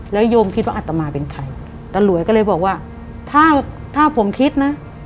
แล้วโยมคิดว่าอัตมาเป็นใครตาหลวยก็เลยบอกว่าถ้าถ้าผมคิดนะ